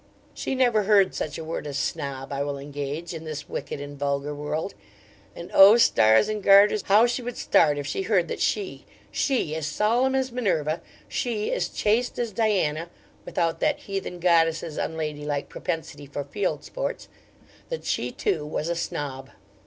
She never heard such a word as Snob, I will engage, in this wicked and vulgar world. And, O stars and garters! how she would start if she heard that she she, as solemn as Minerva she, as chaste as Diana (without that heathen goddess's unladylike propensity for field sports) that she too was a Snob!